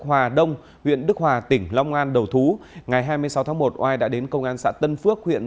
hòa đông huyện đức hòa tỉnh long an đầu thú ngày hai mươi sáu tháng một oai đã đến công an xã tân phước huyện